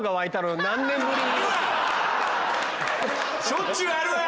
しょっちゅうあるわ！